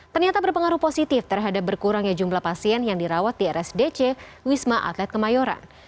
ternyata berpengaruh positif terhadap berkurangnya jumlah pasien yang dirawat di rsdc wisma atlet kemayoran